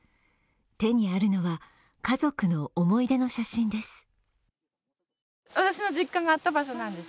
手にあるのは家族の思い出の写真です。